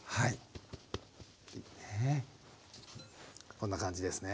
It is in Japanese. こんな感じですね。